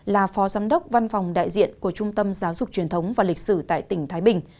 là phó giám đốc văn phòng đại diện của trung tâm giáo dục truyền thống và lịch sử tại tỉnh thái bình